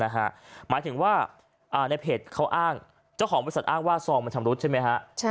หมายถึงว่าในเพจเขาอ้างเจ้าของบริษัทอ้างว่าซองมันชำรุดใช่ไหมฮะ